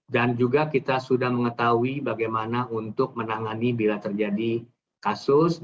dan juga kita sudah mengetahui bagaimana untuk menangani bila terjadi kasus